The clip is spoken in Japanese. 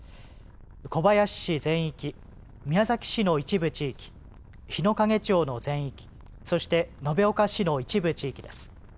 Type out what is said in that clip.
小林市全域、宮崎市の一部地域、日之影町の全域、そして延岡市の一部地域です。